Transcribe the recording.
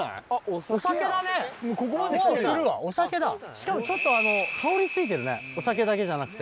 しかもちょっと香りついてるねお酒だけじゃなくて。